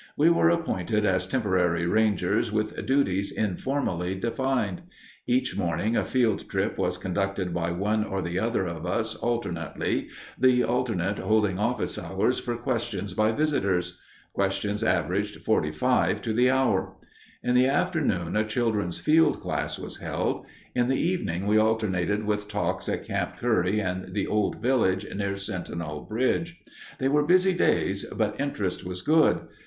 We were appointed as temporary rangers with duties informally defined. Each morning a field trip was conducted by one or the other of us alternately, the alternate holding office hours for questions by visitors. (Questions averaged 45 to the hour). In the afternoon a children's field class was held. In the evening we alternated with talks at Camp Curry and the "Old Village" near Sentinel Bridge. They were busy days but interest was good.